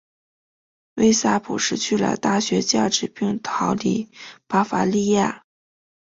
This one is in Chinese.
魏萨普失去了大学教职并逃离巴伐利亚。